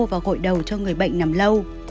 và cội đầu cho người bệnh nằm lâu